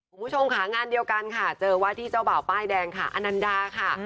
คุณผู้ชมค่ะงานเดียวกันค่ะเจอว่าที่เจ้าบ่าวป้ายแดงค่ะอนันดาค่ะ